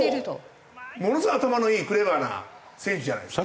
ものすごい頭のいいクレバーな選手じゃないですか。